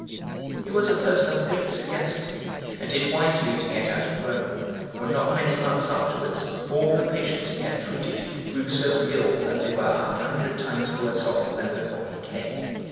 He was a person of great sagacity, and did wisely to get out of Rome; for not many months afterwards, all the patients he had treated grew so ill that they were a hundred times worse off than before he came.